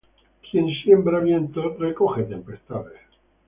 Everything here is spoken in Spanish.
Quién siembra vientos, recoge tempestades